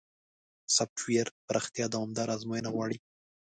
سافټویر پراختیا دوامداره ازموینه غواړي.